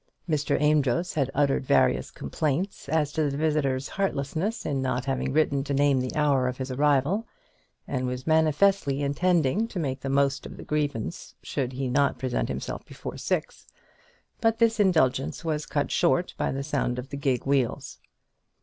Mr. Amedroz had uttered various complaints as to the visitor's heartlessness in not having written to name the hour of his arrival, and was manifestly intending to make the most of the grievance should he not present himself before six; but this indulgence was cut short by the sound of the gig wheels.